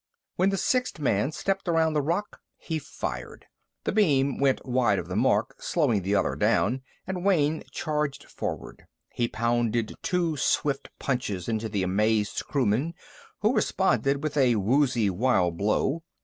When the sixth man stepped around the rock, he fired. The beam went wide of the mark, slowing the other down, and Wayne charged forward. He pounded two swift punches into the amazed crewman, who responded with a woozy, wild blow.